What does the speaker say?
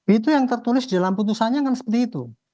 itu yang tertulis dalam putusannya kan seperti itu